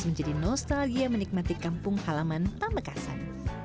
menjadi nostalgia menikmati kampung halaman pamekasan